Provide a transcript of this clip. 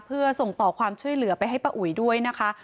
เพื่อส่งต่อความช่วยเหลือไปให้ป้าอุ๋ยด้วยนะคะ